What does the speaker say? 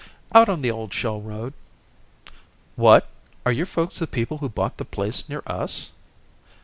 "Out on the old shell road." "What! are your folks the people who bought the place near us?"